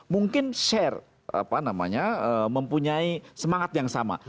mungkin share apa namanya mempunyai semangat yang sama